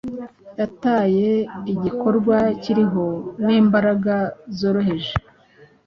yatayeigikorwa kiriho nimbaraga zoroheje